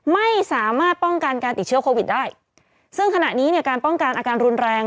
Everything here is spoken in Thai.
ไม่สามารถป้องกันการติดเชื้อโควิดได้ซึ่งขณะนี้เนี่ยการป้องกันอาการรุนแรง